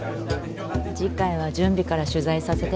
次回は準備から取材させて。